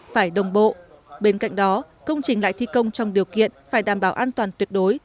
phải đồng bộ bên cạnh đó công trình lại thi công trong điều kiện phải đảm bảo an toàn tuyệt đối